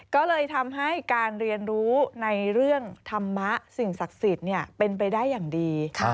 ก็เลยทำให้การเรียนรู้ในเรื่องธรรมะสิ่งศักดิ์สิทธิ์เป็นไปได้อย่างดี